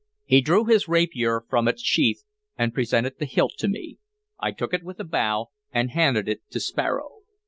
He drew his rapier from its sheath, and presented the hilt to me. I took it with a bow, and handed it to Sparrow.